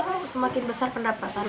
malah bang semakin besar pendapatan